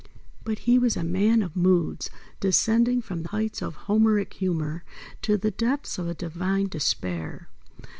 But he was a man of moods, descending from heights of Homeric humour to the depths of a divine despair.